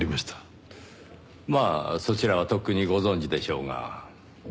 まあそちらはとっくにご存じでしょうが。